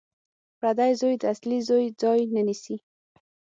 پردی زوی د اصلي زوی ځای نه نیسي